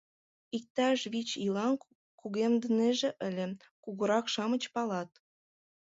Иктаж вич ийлан кугемдынеже ыле — кугурак-шамыч палат.